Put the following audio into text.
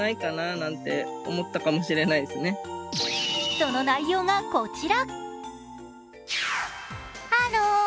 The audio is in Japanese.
その内容がこちら。